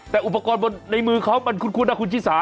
แต่อุปกรณ์บนในมือเขามันคุ้นนะคุณชิสา